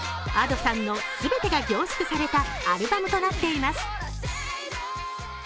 Ａｄｏさんの全てが凝縮されたアルバムとなっています。